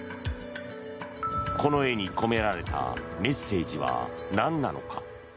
この絵に込められたメッセージはなんなのか。